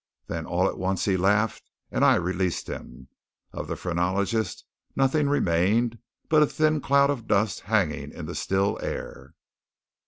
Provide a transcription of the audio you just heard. Then all at once he laughed, and I released him. Of the phrenologist nothing remained but a thin cloud of dust hanging in the still air.